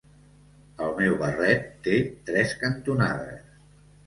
El meu barret té tres cantonades.